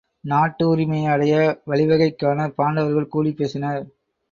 நாட்டு உரிமையை அடைய வழிவகை காணப் பாண்டவர்கள் கூடிப் பேசினர்.